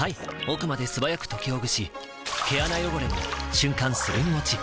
奥まで素早く解きほぐし毛穴汚れも瞬間するん落ち！